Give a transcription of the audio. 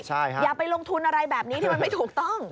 อย่าไปลงทุนอะไรแบบนี้ที่มันไม่ถูกต้อง